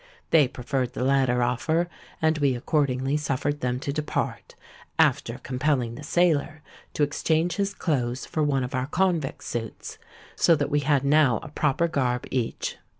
They preferred the latter offer; and we accordingly suffered them to depart, after compelling the sailor to exchange his clothes for one of our convict suits; so that we had now a proper garb each.